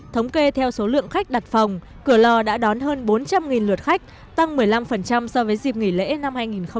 thống kê theo số lượng khách đặt phòng cửa lò đã đón hơn bốn trăm linh lượt khách tăng một mươi năm so với dịp nghỉ lễ năm hai nghìn một mươi chín